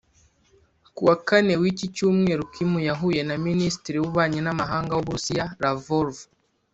Ku wa Kane w’iki Cyumweru Kim yahuye na Minisitiri w’ububanyi n’amahanga w’Uburusiya Lavrov